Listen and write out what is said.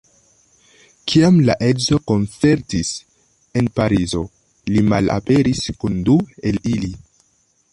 Kiam la edzo koncertis en Parizo, li malaperis kun du el ili.